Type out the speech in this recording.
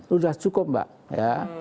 sudah cukup mbak ya